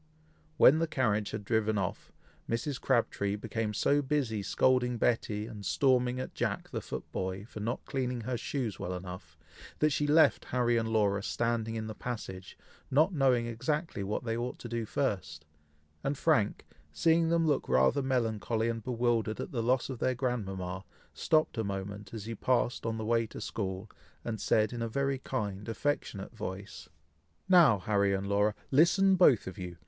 When the carriage had driven off, Mrs. Crabtree became so busy scolding Betty, and storming at Jack the foot boy, for not cleaning her shoes well enough, that she left Harry and Laura standing in the passage, not knowing exactly what they ought to do first, and Frank, seeing them looking rather melancholy and bewildered at the loss of their grandmama, stopped a moment as he passed on the way to school, and said in a very kind, affectionate voice, "Now, Harry and Laura, listen both of you!